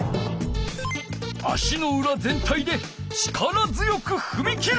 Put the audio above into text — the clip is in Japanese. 足のうら全体で力強くふみ切る。